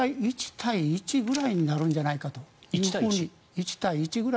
１対１ぐらいになるんじゃないかと。